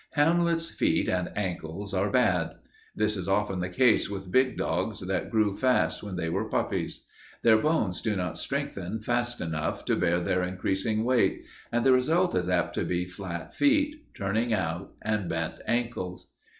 Hamlet's feet and ankles are bad. This is often the case with big dogs that grew fast when they were puppies. Their bones do not strengthen fast enough to bear their increasing weight, and the result is apt to be flat feet, turning out, and bent ankles.